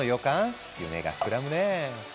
⁉夢が膨らむね。